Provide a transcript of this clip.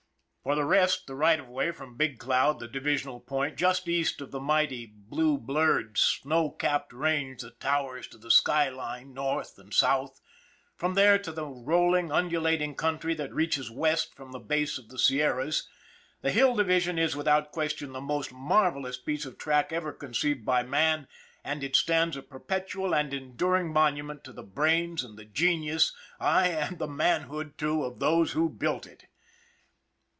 For the rest, the right of way from Big Cloud, the divisional point, just East of the mighty blue blurred, snow capped range that towers to the skyline North and South from there to the rolling, undulating country that reaches West from the base of the Sierras, the Hill Division is, without question, the most marvel ous piece of track ever conceived by man, and it stands a perpetual and enduring monument to the brains and the genius, ay, and the manhood, too, of those who built it.